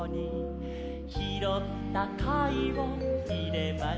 「ひろったかいをいれました」